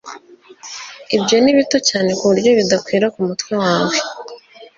Ibyo ni bito cyane kuburyo bidakwira ku mutwe wawe